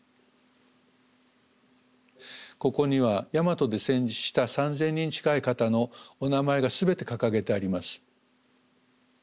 ここには大和で戦死した３，０００人近い方のお名前が全て掲げてあります。